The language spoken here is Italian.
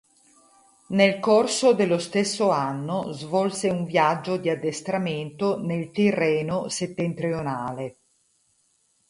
Nel corso dello stesso anno svolse un viaggio di addestramento nel Tirreno settentrionale.